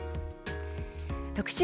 特集